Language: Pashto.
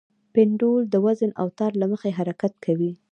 پینډول د وزن او تار له مخې حرکت کوي.